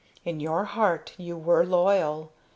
"In your heart you were loyal.